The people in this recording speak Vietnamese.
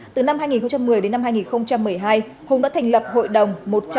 từ năm hai nghìn một mươi đến năm hai nghìn một mươi hai hùng đã thành lập hội đồng một trăm bốn mươi bảy